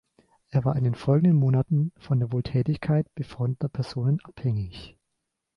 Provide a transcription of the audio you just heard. Er war in den folgenden Monaten von der Wohltätigkeit befreundeter Personen abhängig.